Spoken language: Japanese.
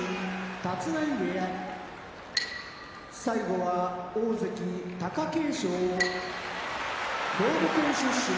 立浪部屋大関・貴景勝兵庫県出身